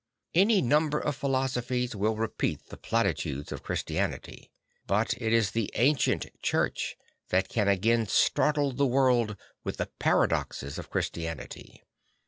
Any number of philosophies will repeat the platitudes of Christianity. But it is the ancient Church that can again startle the world with the paradoxes of Christianity.